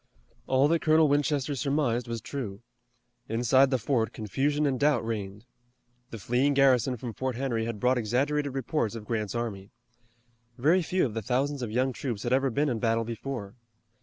All that Colonel Winchester surmised was true. Inside the fort confusion and doubt reigned. The fleeing garrison from Fort Henry had brought exaggerated reports of Grant's army. Very few of the thousands of young troops had ever been in battle before.